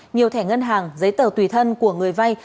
nhiều thẻ ngân hàng giấy tờ tùy thân của người vay